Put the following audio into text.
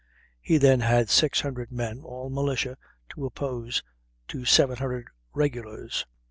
He then had six hundred men, all militia, to oppose to seven hundred regulars.